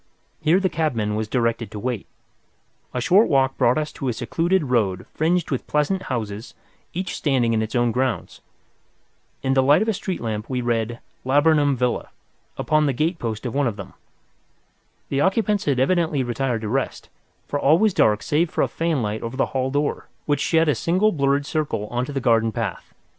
Here the cabman was directed to wait. A short walk brought us to a secluded road fringed with pleasant houses, each standing in its own grounds. In the light of a street lamp we read "Laburnum Villa" upon the gate post of one of them. The occupants had evidently retired to rest, for all was dark save for a fanlight over the hall door, which shed a single blurred circle on to the garden path.